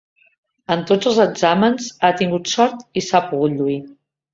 En tots els exàmens ha tingut sort i s'ha pogut lluir.